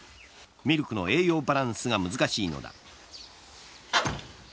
ミルクの栄養バランスが難しいのだ。